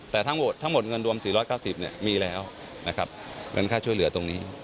แต่ทั้งหมดเงินรวม๔๙๐มีแล้วนะครับเงินค่าช่วยเหลือตรงนี้